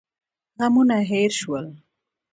غمونه هېر شول.